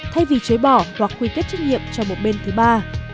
thay vì chế bỏ hoặc khuy kết trách nhiệm cho một bên thứ ba